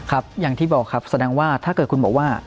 ครับอย่างที่บอกครับแสดงว่าถ้าเกิดคุณบอกว่า